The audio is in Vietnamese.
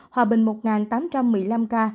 hòa bình một tám trăm một mươi năm ca